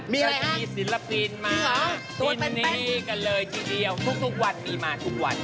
มีอะไรครับจริงเหรอตัวเป็นกันเลยทีเดียวทุกวันมีมาทุกวัน